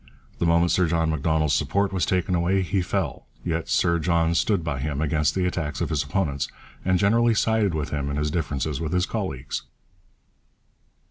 The moment Sir John Macdonald's support was taken away, he fell. Yet Sir John stood by him against the attacks of his opponents, and generally sided with him in his differences with his colleagues.